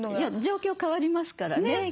状況変わりますからね。